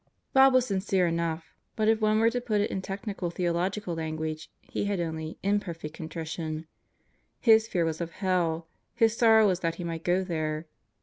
Bob was sincere enough, but if one were to put it in technical theological language, he had only "Imperfect Con trition." His fear was of hell; his sorrow was that he might go there.